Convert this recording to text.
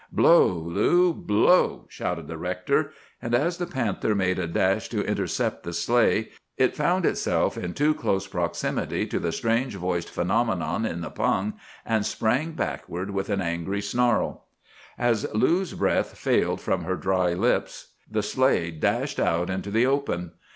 "'Blow, Lou, blow!' shouted the rector; and as the panther made a dash to intercept the sleigh, it found itself in too close proximity to the strange voiced phenomenon in the pung, and sprang backward with an angry snarl. "As Lou's breath failed from her dry lips, the sleigh dashed out into the open.